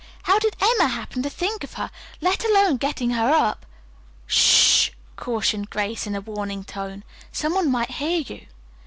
How did Emma happen to think of her, let alone getting her up?" "S h h!" cautioned Grace in a warning tone. "Some one might hear you."